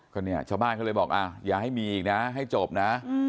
ก็เนี่ยชาวบ้านเขาเลยบอกอย่าให้มีอีกนะให้จบนะ